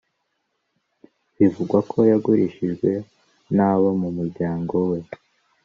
bivugwa ko yagurishijwe n abo mu muryango we